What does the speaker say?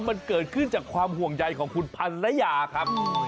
มันเกิดขึ้นจากความห่วงใยของคุณพันรยาครับ